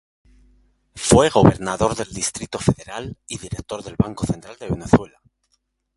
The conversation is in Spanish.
Fue gobernador del Distrito Federal y director del Banco Central de Venezuela.